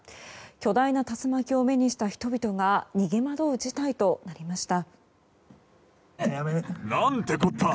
巨大な竜巻を目にした人々が逃げ惑う事態となりました。